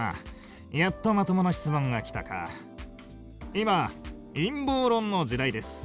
今陰謀論の時代です。